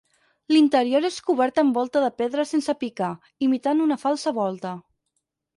L'interior és cobert amb volta de pedra sense picar, imitant una falsa volta.